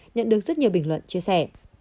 nhận được rất nhiều bình luận chia sẻ